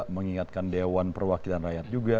mengingatkan dewan perwakilan rakyat juga